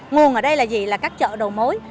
nguồn ở đây là gì là các chợ đầu mối